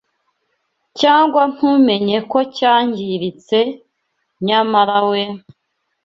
cyangwa ntumenye ko cyangiritse nyamara we